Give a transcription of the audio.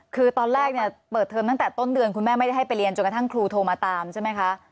คือตอนแรกเนี่ยเปิดเทอมตั้งแต่ต้นเดือนคุณแม่ไม่ได้ให้ไปเรียนจนกระทั่งครูโทรมาตามใช่ไหมคะ